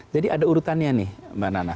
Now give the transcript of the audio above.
jadi ada urutannya nih mbak nana